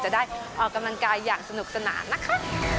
ได้ออกกำลังกายอย่างสนุกสนานนะคะ